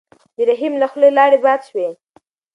د رحیم له خولې لاړې باد شوې.